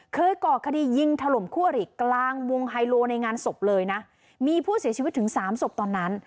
ก่อคดียิงถล่มคู่อริกลางวงไฮโลในงานศพเลยนะมีผู้เสียชีวิตถึงสามศพตอนนั้น